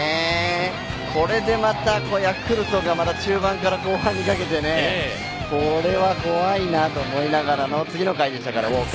これでまたヤクルトが中盤から後半にかけてこれは怖いなと思いながらの次の回でしたから。